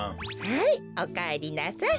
はいおかえりなさい。